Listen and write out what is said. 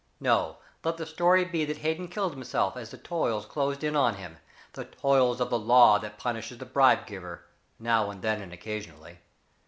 No, let the story be that Hayden killed himself as the toils closed in on him the toils of the law that punishes the bribe giver now and then and occasionally.